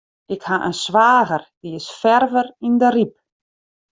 Ik ha in swager, dy is ferver yn de Ryp.